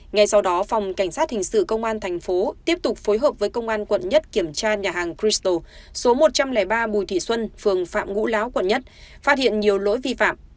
ngay sau đó phòng cảnh sát hình sự công an thành phố tiếp tục phối hợp với công an quận một kiểm tra nhà hàng cristo số một trăm linh ba bùi thị xuân phường phạm ngũ lão quận một phát hiện nhiều lỗi vi phạm